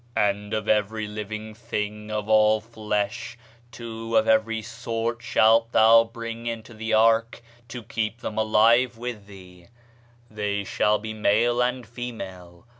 And of every living thing of all flesh, two of every sort shalt thou bring into the ark, to keep them alive with thee; they shall be male and female.